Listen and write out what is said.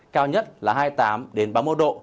cao nhất là hai mươi tám ba mươi một độ